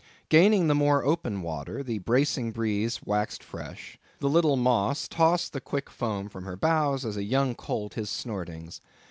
Gaining the more open water, the bracing breeze waxed fresh; the little Moss tossed the quick foam from her bows, as a young colt his snortings.